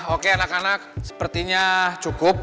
oke anak anak sepertinya cukup